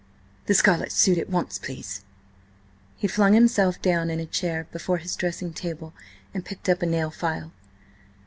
The scarlet suit at once, please." He flung himself down in a chair before his dressing table and picked up a nail file.